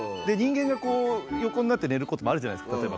で人間がこう横になって寝ることもあるじゃないですか。